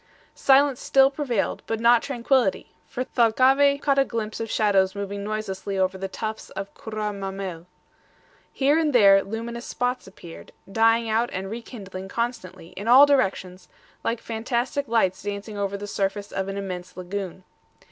Silence still prevailed, but not tranquillity; for Thalcave caught a glimpse of shadows moving noiselessly over the tufts of CURRA MAMMEL. Here and there luminous spots appeared, dying out and rekindling constantly, in all directions, like fantastic lights dancing over the surface of an immense lagoon.